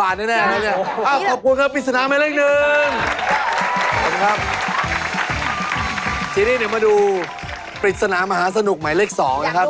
ว่าที่เขาทำเมื่อกี้มันยากกว่าเป็นเหล่งจูอีกนะครับ